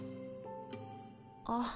あっ。